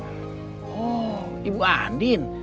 oh ibu andin